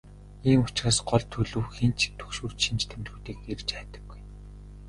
Ийм учраас гол төлөв хэн ч түгшүүрт шинж тэмдгүүдийг эрж хайдаггүй.